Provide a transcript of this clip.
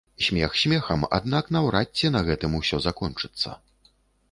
Смех смехам аднак наўрад ці на гэтым усё закончыцца.